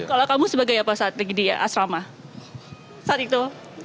kalau kamu sebagai apa saat lagi di asrama saat itu